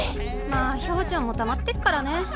まあ兵ちゃんもたまってっからね。